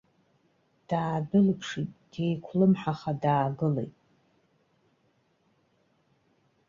Даадәылыԥшит, деиқәлымҳаха даагылеит.